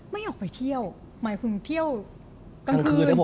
ไม่ออกไปเที่ยวหมายถึงเที่ยวกลางคืนเลย